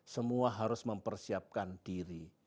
semua harus mempersiapkan diri